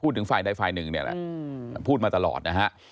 ฝ่ายใดฝ่ายหนึ่งเนี่ยแหละพูดมาตลอดนะฮะ